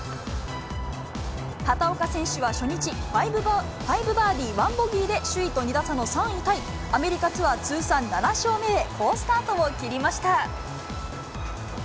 畑岡選手は初日、５バーディー１ボギーで、首位と２打差の３位タイ、アメリカツアー通算７勝目へ好スタートを切りました。